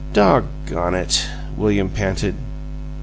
"Doggone it!" William panted.